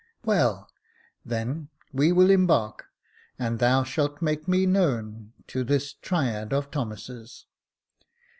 " Well, then, we will embark, and thou shalt make me known to this triad of Thomases.